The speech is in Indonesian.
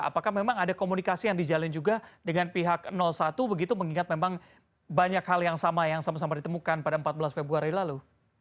apakah memang ada komunikasi yang dijalin juga dengan pihak satu begitu mengingat memang banyak hal yang sama yang sama sama ditemukan pada empat belas februari lalu